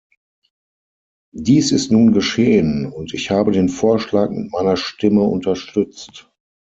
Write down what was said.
Dies ist nun geschehen, und ich habe den Vorschlag mit meiner Stimme unterstützt.